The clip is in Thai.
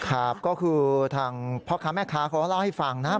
ครับก็คือทางพ่อค้าแม่ค้าเขาก็เล่าให้ฟังนะ